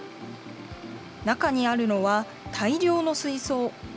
中にあるのは、大量の水槽。